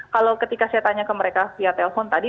kalau ketika saya tanya ke mereka via telpon tadi